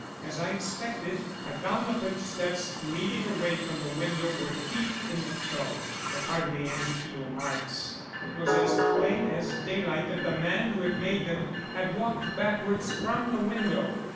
As I expected, I found the footsteps leading away from the window were deep in the toe, with hardly any heel marks. It was as plain as daylight that the man who had made them had walked backwards from the window.